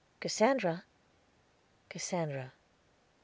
"Cassandra?" "Cassandra."